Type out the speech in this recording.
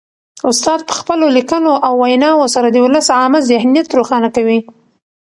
استاد په خپلو لیکنو او ویناوو سره د ولس عامه ذهنیت روښانه کوي.